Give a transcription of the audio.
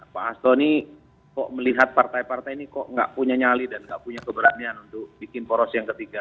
pak hasto ini kok melihat partai partai ini kok nggak punya nyali dan nggak punya keberanian untuk bikin poros yang ketiga